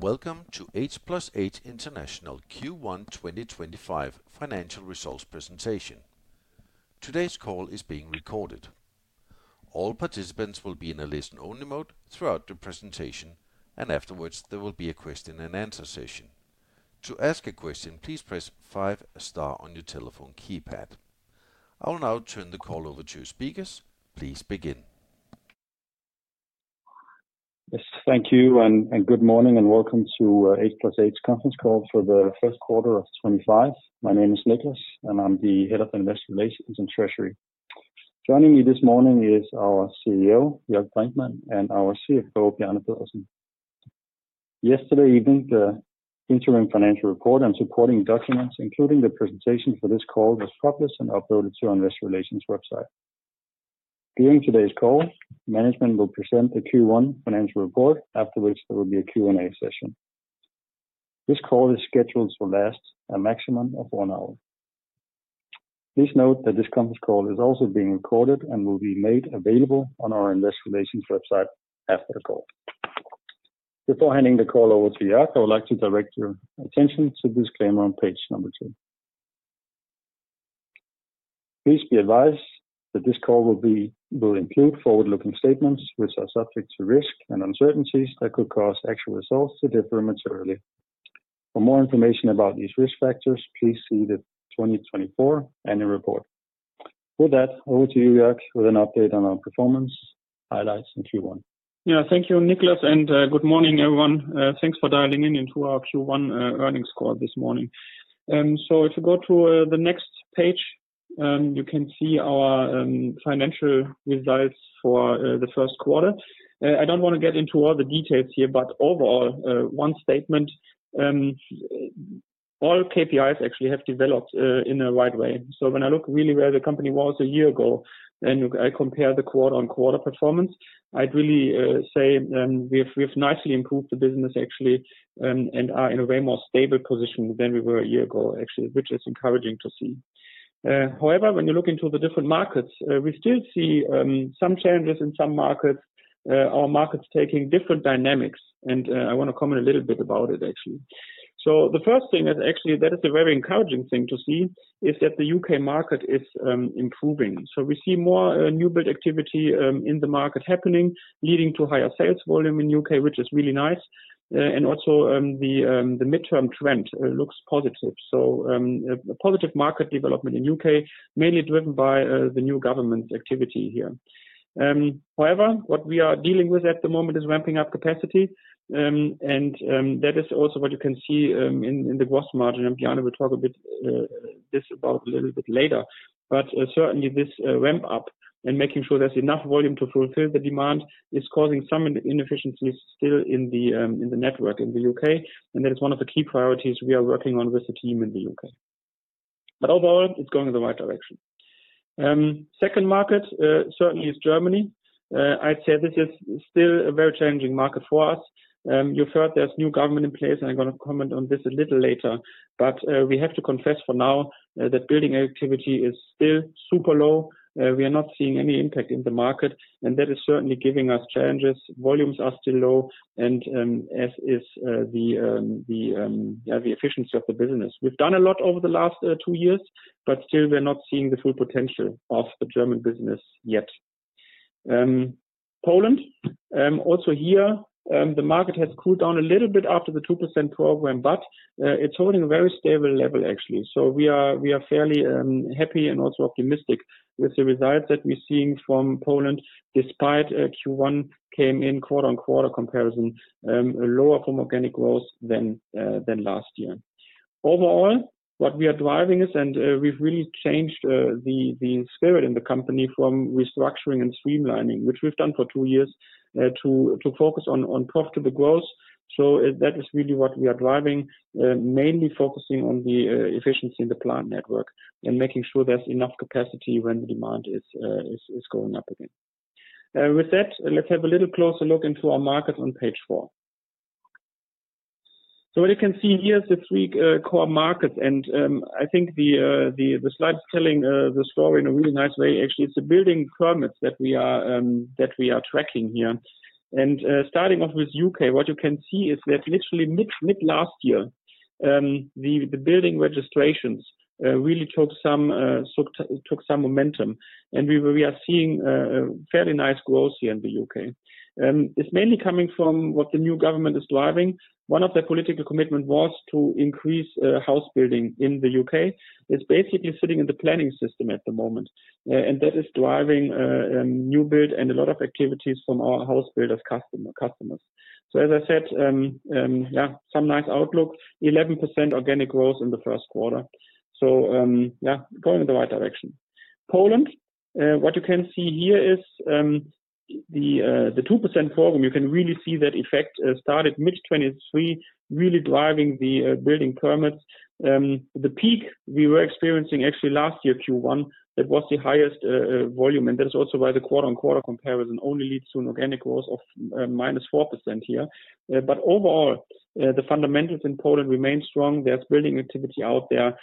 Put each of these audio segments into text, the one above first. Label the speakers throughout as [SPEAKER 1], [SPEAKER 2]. [SPEAKER 1] Welcome to H+H International Q1 2025 Financial Results Presentation. Today's call is being recorded. All participants will be in a listen-only mode throughout the presentation, and afterwards there will be a question-and-answer session. To ask a question, please press five-star on your telephone keypad. I will now turn the call over to your speakers. Please begin.
[SPEAKER 2] Yes, thank you, and good morning, and welcome to H+H Conference Call for the first quarter of 2025. My name is Niclas, and I'm the Head of Investor Relations and Treasury. Joining me this morning is our CEO, Jörg Brinkmann, and our CFO, Bjarne Pedersen. Yesterday evening, the interim financial report and supporting documents, including the presentation for this call, were published and uploaded to our Investor Relations website. During today's call, management will present the Q1 financial report, after which there will be a Q&A session. This call is scheduled to last a maximum of one hour. Please note that this conference call is also being recorded and will be made available on our Investor Relations website after the call. Before handing the call over to Jörg, I would like to direct your attention to the disclaimer on page number two. Please be advised that this call will include forward-looking statements which are subject to risk and uncertainties that could cause actual results to differ materially. For more information about these risk factors, please see the 2024 annual report. With that, over to you, Jörg, with an update on our performance highlights in Q1.
[SPEAKER 3] Yeah, thank you, Niclas, and good morning, everyone. Thanks for dialing in into our Q1 earnings call this morning. If you go to the next page, you can see our financial results for the first quarter. I do not want to get into all the details here, but overall, one statement: all KPIs actually have developed in the right way. When I look really where the company was a year ago and I compare the quarter-on-quarter performance, I would really say we have nicely improved the business, actually, and are in a way more stable position than we were a year ago, actually, which is encouraging to see. However, when you look into the different markets, we still see some changes in some markets, our markets taking different dynamics, and I want to comment a little bit about it, actually. The first thing that is actually a very encouraging thing to see is that the U.K. market is improving. We see more new build activity in the market happening, leading to higher sales volume in the U.K., which is really nice, and also the midterm trend looks positive. A positive market development in the U.K., mainly driven by the new government's activity here. However, what we are dealing with at the moment is ramping up capacity, and that is also what you can see in the gross margin, and Bjarne will talk a bit about this a little bit later. Certainly, this ramp-up and making sure there is enough volume to fulfill the demand is causing some inefficiencies still in the network in the U.K., and that is one of the key priorities we are working on with the team in the U.K. Overall, it's going in the right direction. The second market certainly is Germany. I'd say this is still a very challenging market for us. You've heard there's a new government in place, and I'm going to comment on this a little later, but we have to confess for now that building activity is still super low. We are not seeing any impact in the market, and that is certainly giving us challenges. Volumes are still low, as is the efficiency of the business. We've done a lot over the last two years, but still we're not seeing the full potential of the German business yet. Poland, also here, the market has cooled down a little bit after the 2% program, but it's holding a very stable level, actually. We are fairly happy and also optimistic with the results that we're seeing from Poland, despite Q1 came in quarter-on-quarter comparison, lower from organic growth than last year. Overall, what we are driving is, and we've really changed the spirit in the company from restructuring and streamlining, which we've done for two years, to focus on profitable growth. That is really what we are driving, mainly focusing on the efficiency in the plant network and making sure there's enough capacity when the demand is going up again. With that, let's have a little closer look into our markets on page four. What you can see here is the three core markets, and I think the slide is telling the story in a really nice way, actually. It's the building permits that we are tracking here. Starting off with the U.K., what you can see is that literally mid-last year, the building registrations really took some momentum, and we are seeing fairly nice growth here in the U.K. It is mainly coming from what the new government is driving. One of their political commitments was to increase house building in the U.K. It is basically sitting in the planning system at the moment, and that is driving new build and a lot of activities from our house builders' customers. As I said, yeah, some nice outlook, 11% organic growth in the first quarter. Yeah, going in the right direction. Poland, what you can see here is the 2% program. You can really see that effect started mid-2023, really driving the building permits. The peak we were experiencing actually last year, Q1, that was the highest volume, and that is also why the quarter-on-quarter comparison only leads to an organic growth of -4% here. Overall, the fundamentals in Poland remain strong. There is building activity out there,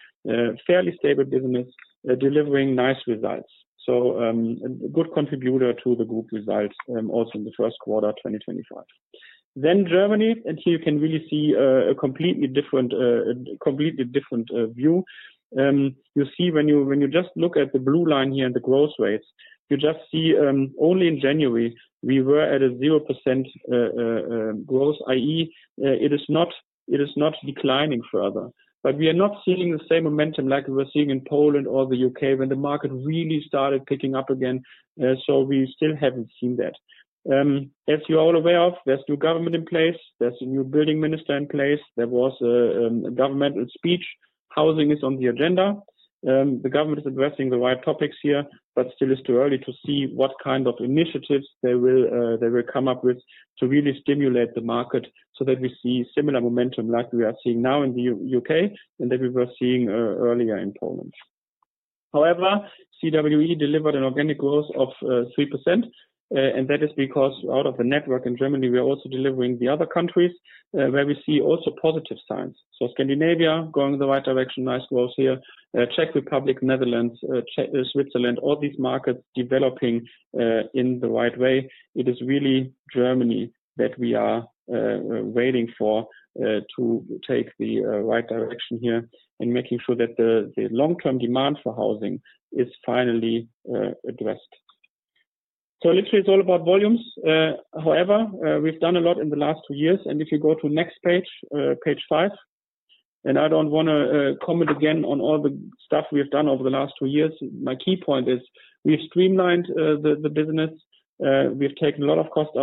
[SPEAKER 3] fairly stable business, delivering nice results. A good contributor to the group results also in the first quarter of 2025. Germany, and here you can really see a completely different view. You see when you just look at the blue line here and the growth rates, you just see only in January we were at a 0% growth, i.e., it is not declining further. We are not seeing the same momentum like we were seeing in Poland or the U.K. when the market really started picking up again. We still have not seen that. As you're all aware of, there's a new government in place, there's a new building minister in place, there was a governmental speech, housing is on the agenda. The government is addressing the right topics here, but still it's too early to see what kind of initiatives they will come up with to really stimulate the market so that we see similar momentum like we are seeing now in the U.K. and that we were seeing earlier in Poland. However, CWE delivered an organic growth of 3%, and that is because out of the network in Germany, we are also delivering the other countries where we see also positive signs. Scandinavia going in the right direction, nice growth here. Czech Republic, Netherlands, Switzerland, all these markets developing in the right way. It is really Germany that we are waiting for to take the right direction here and making sure that the long-term demand for housing is finally addressed. Literally, it's all about volumes. However, we've done a lot in the last two years, and if you go to next page, page five, I don't want to comment again on all the stuff we've done over the last two years. My key point is we've streamlined the business. We've taken a lot of costs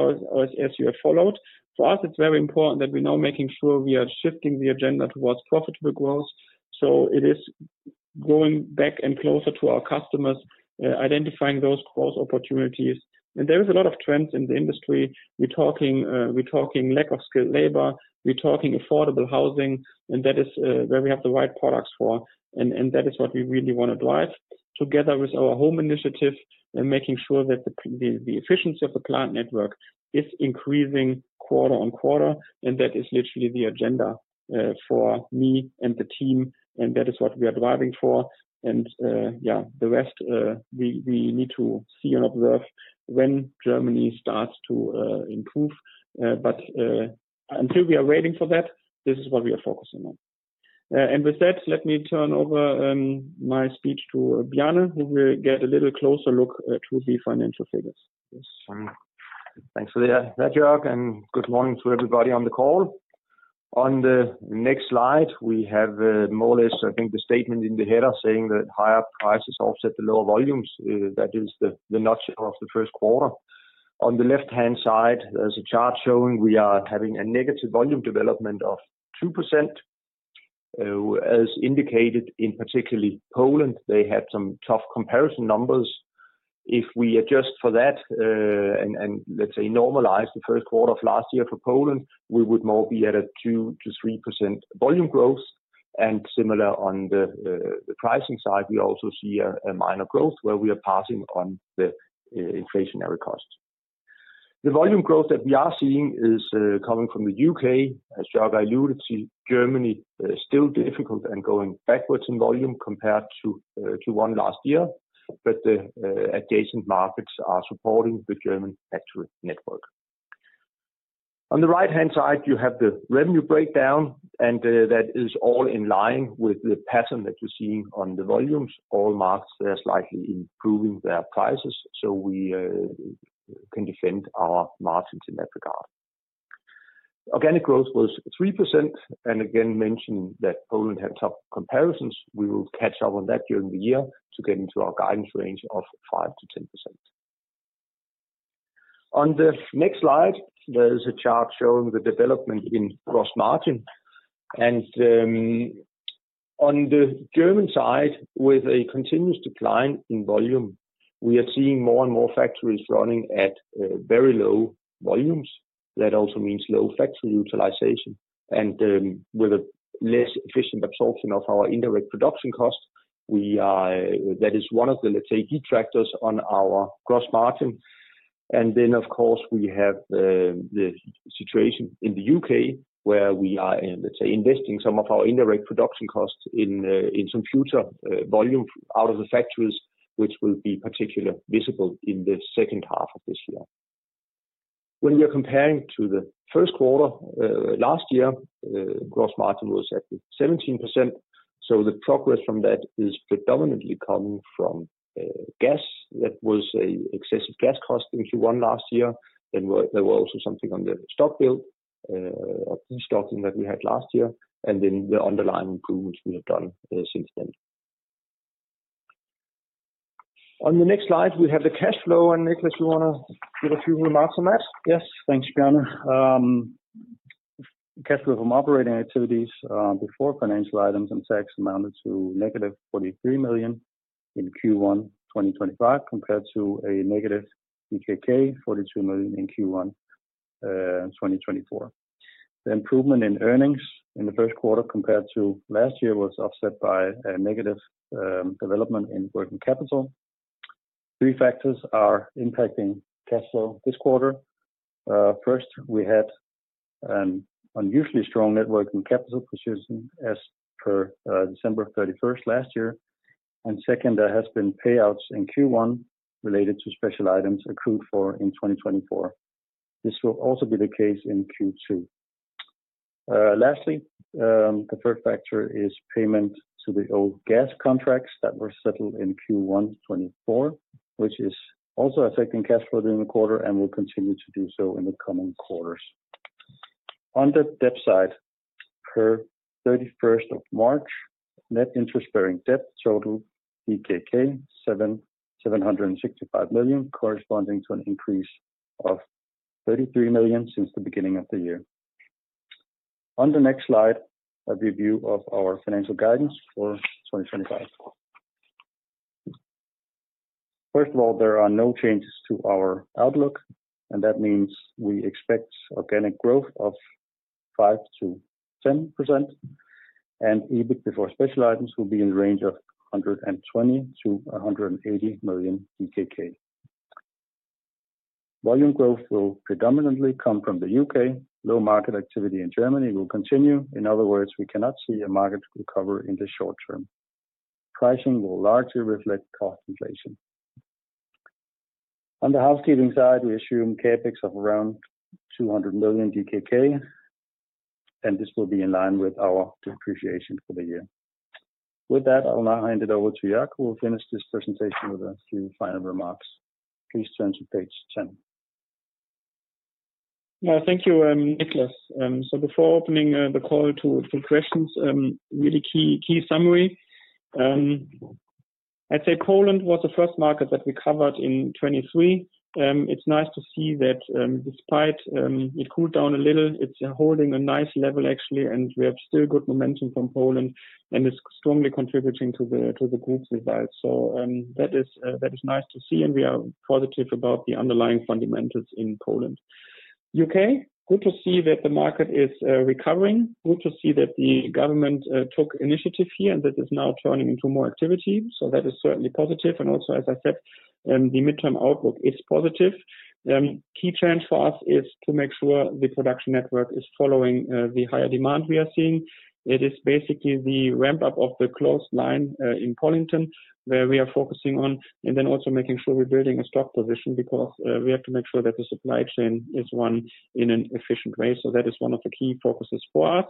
[SPEAKER 3] as you have followed. For us, it's very important that we are now making sure we are shifting the agenda towards profitable growth. It is going back and closer to our customers, identifying those growth opportunities. There is a lot of trends in the industry. We're talking lack of skilled labor, we're talking affordable housing, and that is where we have the right products for, and that is what we really want to drive together with our HOME initiative and making sure that the efficiency of the plant network is increasing quarter on quarter, and that is literally the agenda for me and the team, and that is what we are driving for. Yeah, the rest, we need to see and observe when Germany starts to improve. Until we are waiting for that, this is what we are focusing on. With that, let me turn over my speech to Bjarne, who will get a little closer look to the financial figures.
[SPEAKER 4] Thanks for that, Jörg, and good morning to everybody on the call. On the next slide, we have more or less, I think, the statement in the header saying that higher prices offset the lower volumes. That is the nutshell of the first quarter. On the left-hand side, there is a chart showing we are having a negative volume development of 2%, as indicated in particularly Poland. They had some tough comparison numbers. If we adjust for that and let's say normalize the first quarter of last year for Poland, we would more be at a 2-3% volume growth. Similar on the pricing side, we also see a minor growth where we are passing on the inflationary cost. The volume growth that we are seeing is coming from the U.K., as Jörg alluded to. Germany is still difficult and going backwards in volume compared to one last year, but the adjacent markets are supporting the German factory network. On the right-hand side, you have the revenue breakdown, and that is all in line with the pattern that you're seeing on the volumes. All markets are slightly improving their prices, so we can defend our margins in that regard. Organic growth was 3%, and again, mentioning that Poland had tough comparisons, we will catch up on that during the year to get into our guidance range of 5-10%. On the next slide, there is a chart showing the development in gross margin. On the German side, with a continuous decline in volume, we are seeing more and more factories running at very low volumes. That also means low factory utilization, and with a less efficient absorption of our indirect production cost, that is one of the, let's say, key factors on our gross margin. Of course, we have the situation in the U.K. where we are, let's say, investing some of our indirect production costs in some future volume out of the factories, which will be particularly visible in the second half of this year. When we are comparing to the first quarter last year, gross margin was at 17%. The progress from that is predominantly coming from gas. That was an excessive gas cost in Q1 last year. There was also something on the stock build, de-stocking that we had last year, and then the underlying improvements we have done since then. On the next slide, we have the cash flow, and Niclas, you want to give a few remarks on that?
[SPEAKER 2] Yes, thanks, Bjarne. Cash flow from operating activities before financial items and tax amounted to negative 43 million in Q1 2025 compared to a negative 42 million in Q1 2024. The improvement in earnings in the first quarter compared to last year was offset by a negative development in working capital. Three factors are impacting cash flow this quarter. First, we had an unusually strong net working capital position as per December 31 last year. Second, there have been payouts in Q1 related to special items accrued for in 2024. This will also be the case in Q2. Lastly, the third factor is payment to the old gas contracts that were settled in Q1 2024, which is also affecting cash flow during the quarter and will continue to do so in the coming quarters. On the debt side, per 31st of March, net interest-bearing debt totaled 765 million, corresponding to an increase of 33 million since the beginning of the year. On the next slide, a review of our financial guidance for 2025. First of all, there are no changes to our outlook, and that means we expect organic growth of 5-10%, and EBIT before special items will be in the range of 120-180 million. Volume growth will predominantly come from the U.K. Low market activity in Germany will continue. In other words, we cannot see a market recovery in the short term. Pricing will largely reflect cost inflation. On the housekeeping side, we assume CapEx of around 200 million DKK, and this will be in line with our depreciation for the year. With that, I'll now hand it over to Jörg, who will finish this presentation with a few final remarks. Please turn to page 10.
[SPEAKER 3] Thank you, Niclas. Before opening the call to questions, really key summary. I'd say Poland was the first market that we covered in 2023. It's nice to see that despite it cooled down a little, it's holding a nice level actually, and we have still good momentum from Poland, and it's strongly contributing to the group's results. That is nice to see, and we are positive about the underlying fundamentals in Poland. U.K., good to see that the market is recovering. Good to see that the government took initiative here, and that is now turning into more activity. That is certainly positive. Also, as I said, the midterm outlook is positive. Key change for us is to make sure the production network is following the higher demand we are seeing. It is basically the ramp-up of the closed line in Pollington, where we are focusing on, and then also making sure we are building a stock position because we have to make sure that the supply chain is run in an efficient way. That is one of the key focuses for us.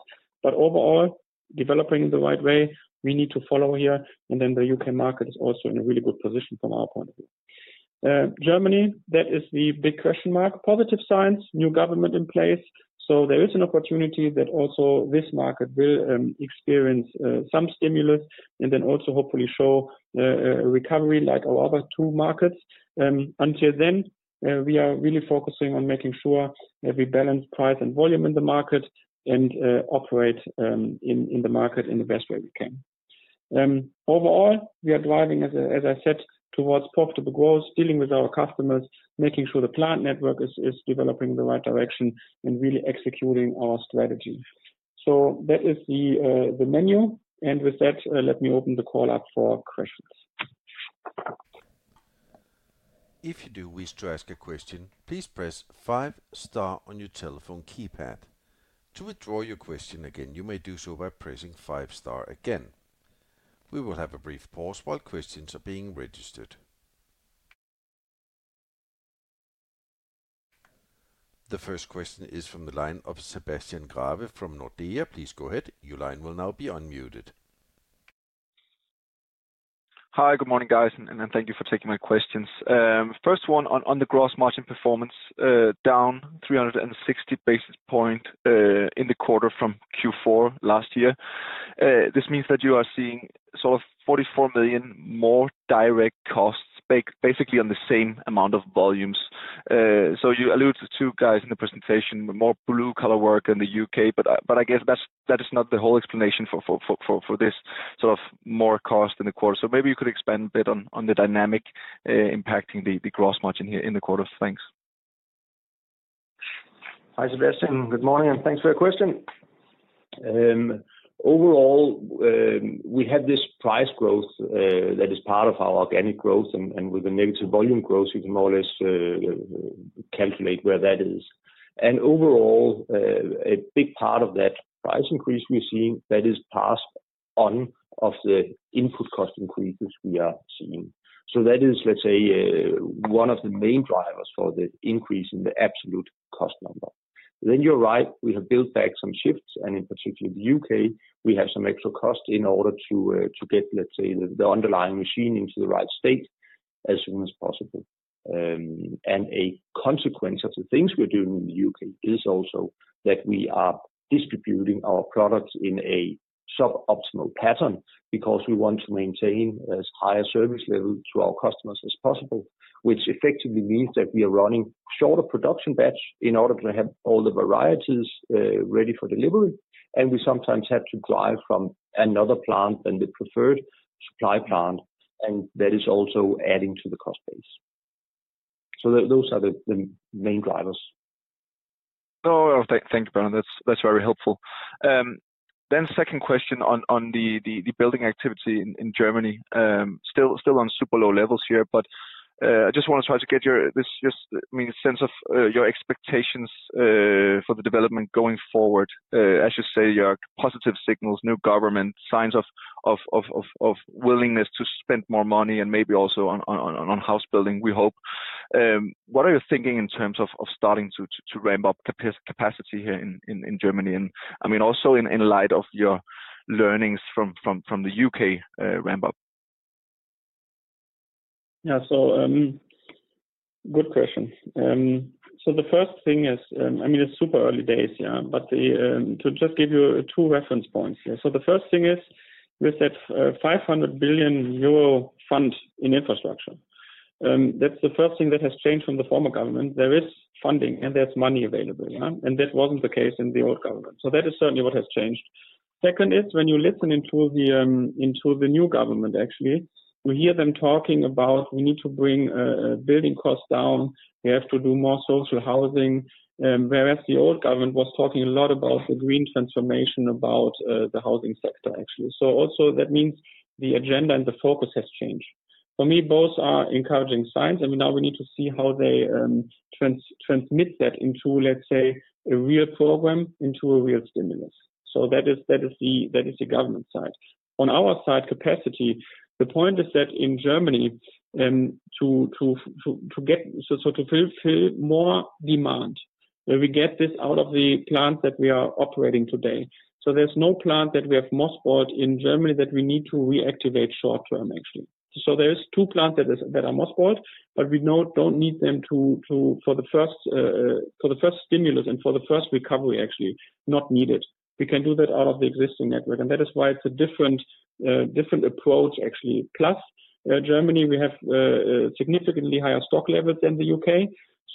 [SPEAKER 3] Overall, developing in the right way, we need to follow here, and then the U.K. market is also in a really good position from our point of view. Germany, that is the big question mark. Positive signs, new government in place. There is an opportunity that also this market will experience some stimulus and then also hopefully show a recovery like our other two markets. Until then, we are really focusing on making sure that we balance price and volume in the market and operate in the market in the best way we can. Overall, we are driving, as I said, towards profitable growth, dealing with our customers, making sure the plant network is developing in the right direction and really executing our strategy. That is the menu. With that, let me open the call up for questions.
[SPEAKER 1] If you do wish to ask a question, please press five star on your telephone keypad. To withdraw your question again, you may do so by pressing five star again. We will have a brief pause while questions are being registered. The first question is from the line of Sebastian Grave from Nordea. Please go ahead. Your line will now be unmuted.
[SPEAKER 5] Hi, good morning, guys, and thank you for taking my questions. First one, on the gross margin performance, down 360 basis points in the quarter from Q4 last year. This means that you are seeing sort of 44 million more direct costs, basically on the same amount of volumes. You alluded to, guys, in the presentation, more blue-collar work in the U.K., but I guess that is not the whole explanation for this sort of more cost in the quarter. Maybe you could expand a bit on the dynamic impacting the gross margin here in the quarter. Thanks.
[SPEAKER 4] Hi, Sebastian. Good morning, and thanks for your question. Overall, we had this price growth that is part of our organic growth, and with the negative volume growth, you can more or less calculate where that is. Overall, a big part of that price increase we're seeing is passed on from the input cost increases we are seeing. That is, let's say, one of the main drivers for the increase in the absolute cost number. You're right, we have built back some shifts, and in particular, in the U.K., we have some extra cost in order to get, let's say, the underlying machine into the right state as soon as possible. A consequence of the things we're doing in the U.K. is also that we are distributing our products in a suboptimal pattern because we want to maintain as high a service level to our customers as possible, which effectively means that we are running shorter production batch in order to have all the varieties ready for delivery. We sometimes have to drive from another plant than the preferred supply plant, and that is also adding to the cost base. Those are the main drivers.
[SPEAKER 5] No, thank you, Bjarne. That is very helpful. Second question on the building activity in Germany, still on super low levels here, but I just want to try to get your sense of your expectations for the development going forward. As you say, you have positive signals, new government, signs of willingness to spend more money, and maybe also on house building, we hope. What are you thinking in terms of starting to ramp up capacity here in Germany? I mean, also in light of your learnings from the U.K. ramp-up.
[SPEAKER 3] Yeah, good question. The first thing is, I mean, it's super early days, but to just give you two reference points. The first thing is, there's that 500 billion euro fund in infrastructure. That's the first thing that has changed from the former government. There is funding, and there's money available, and that was not the case in the old government. That is certainly what has changed. Second is, when you listen to the new government, actually, you hear them talking about, "We need to bring building costs down. We have to do more social housing," whereas the old government was talking a lot about the green transformation, about the housing sector, actually. That also means the agenda and the focus has changed. For me, both are encouraging signs, and now we need to see how they transmit that into, let's say, a real program, into a real stimulus. That is the government side. On our side, capacity, the point is that in Germany, to get more demand, we get this out of the plants that we are operating today. There is no plant that we have mothballed in Germany that we need to reactivate short term, actually. There are two plants that are mothballed, but we do not need them for the first stimulus and for the first recovery, actually, not needed. We can do that out of the existing network, and that is why it is a different approach, actually. Plus, Germany, we have significantly higher stock levels than the U.K.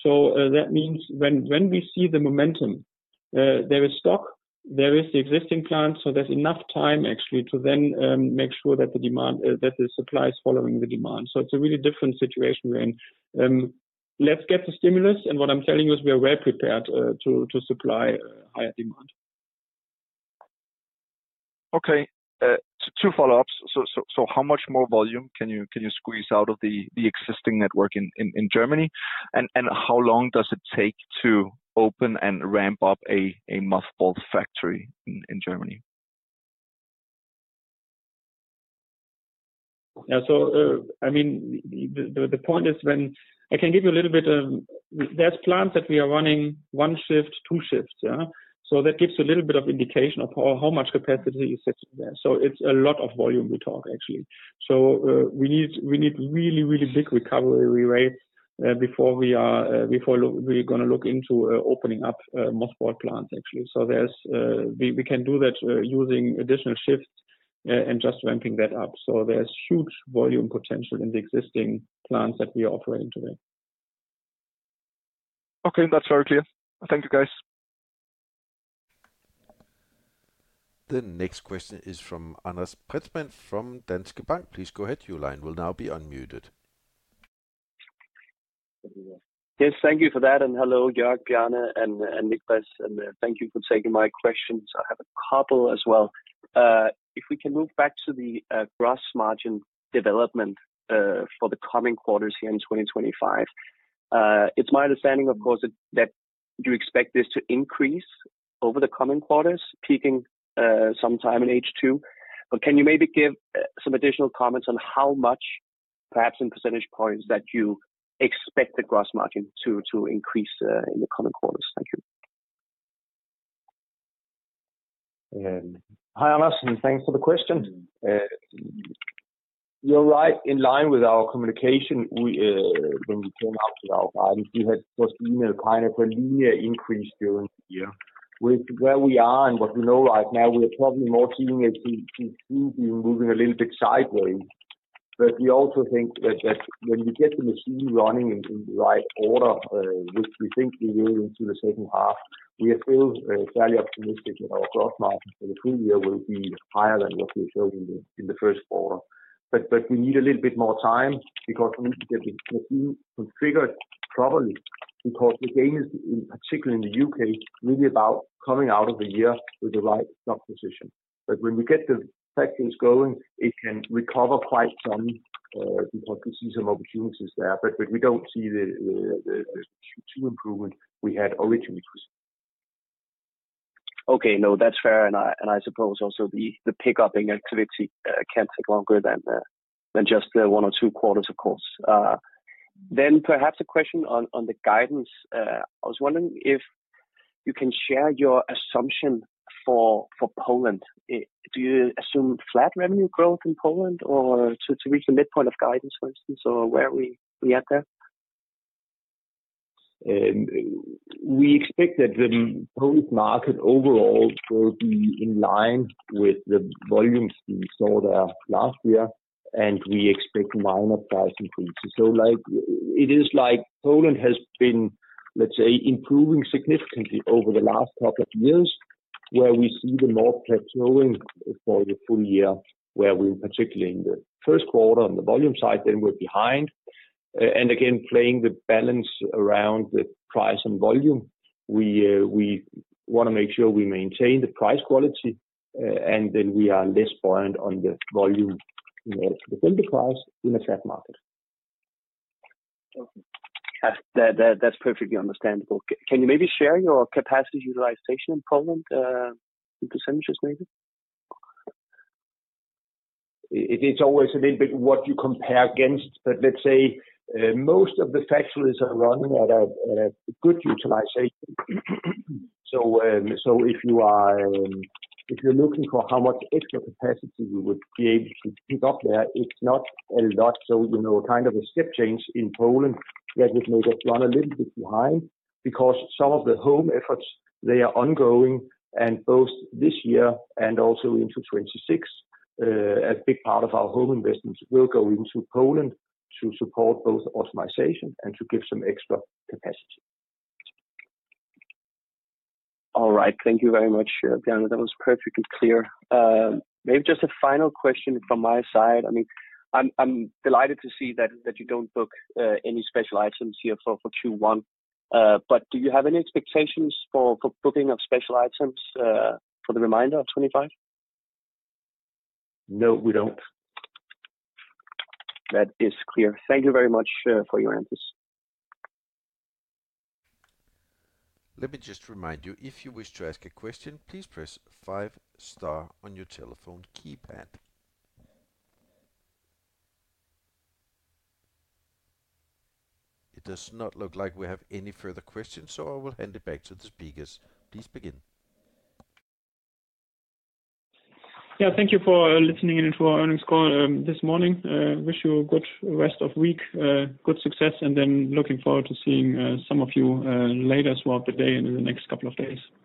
[SPEAKER 3] That means when we see the momentum, there is stock, there is the existing plants, so there is enough time, actually, to then make sure that the supply is following the demand. It is a really different situation wherein let's get the stimulus, and what I'm telling you is we are well prepared to supply higher demand.
[SPEAKER 5] Okay, two follow-ups. How much more volume can you squeeze out of the existing network in Germany? How long does it take to open and ramp up a mothballed factory in Germany?
[SPEAKER 3] Yeah, so I mean, the point is, I can give you a little bit. There are plants that we are running one shift, two shifts. That gives you a little bit of indication of how much capacity is sitting there. It is a lot of volume we talk, actually. We need really, really big recovery rates before we are going to look into opening up mothballed plants, actually. We can do that using additional shifts and just ramping that up. There is huge volume potential in the existing plants that we are operating today.
[SPEAKER 5] Okay, that's very clear. Thank you, guys.
[SPEAKER 1] The next question is from Anders Preetzmann from Danske Bank. Please go ahead. Your line will now be unmuted.
[SPEAKER 6] Yes, thank you for that. Hello, Jörg, Bjarne, and Niclas, and thank you for taking my questions. I have a couple as well. If we can move back to the gross margin development for the coming quarters here in 2025, it's my understanding, of course, that you expect this to increase over the coming quarters, peaking sometime in H2. Can you maybe give some additional comments on how much, perhaps in percentage points, that you expect the gross margin to increase in the coming quarters?
[SPEAKER 4] Thank you. Hi, Anders, and thanks for the question. You're right. In line with our communication, when we came out with our guidance, we had just seen a kind of a linear increase during the year. With where we are and what we know right now, we are probably more seeing it to be moving a little bit sideways. We also think that when we get the machine running in the right order, which we think we will into the second half, we are still fairly optimistic that our gross margin for the full year will be higher than what we showed in the first quarter. We need a little bit more time because we need to get the machine configured properly because the game is, in particular in the U.K., really about coming out of the year with the right stock position. When we get the factories going, it can recover quite some because we see some opportunities there, but we do not see the Q2 improvement we had originally expected.
[SPEAKER 6] Okay, no, that's fair. I suppose also the pickup in activity can't take longer than just one or two quarters, of course. Perhaps a question on the guidance. I was wondering if you can share your assumption for Poland. Do you assume flat revenue growth in Poland or to reach the midpoint of guidance, for instance, or where are we at there?
[SPEAKER 4] We expect that the Polish market overall will be in line with the volumes we saw there last year, and we expect minor price increases. It is like Poland has been, let's say, improving significantly over the last couple of years, where we see the more plateauing for the full year, where we're particularly in the first quarter on the volume side, then we're behind. Again, playing the balance around the price and volume, we want to make sure we maintain the price quality, and then we are less buoyant on the volume in order to defend the price in a flat market.
[SPEAKER 6] That's perfectly understandable. Can you maybe share your capacity utilization in Poland in percentages, maybe?
[SPEAKER 4] It's always a little bit what you compare against, but let's say most of the factories are running at a good utilization. If you're looking for how much extra capacity we would be able to pick up there, it's not a lot. A step change in Poland would make us run a little bit too high because some of the HOME efforts are ongoing, and both this year and also into 2026, a big part of our HOME investments will go into Poland to support both optimization and to give some extra capacity.
[SPEAKER 6] All right, thank you very much, Bjarne. That was perfectly clear. Maybe just a final question from my side. I mean, I'm delighted to see that you do not book any special items here for Q1, but do you have any expectations for booking of special items for the remainder of 2025?
[SPEAKER 4] No, we don't.
[SPEAKER 6] That is clear. Thank you very much for your answers.
[SPEAKER 1] Let me just remind you, if you wish to ask a question, please press five star on your telephone keypad. It does not look like we have any further questions, so I will hand it back to the speakers. Please begin.
[SPEAKER 3] Yeah, thank you for listening in for our earnings call this morning. Wish you a good rest of the week, good success, and then looking forward to seeing some of you later throughout the day and in the next couple of days. Thank you.